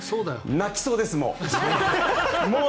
泣きそうです、もう。